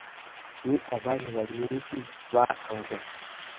Ni abahe barinzi ba angola,